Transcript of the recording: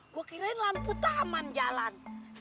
gue kirain lampu taman jalan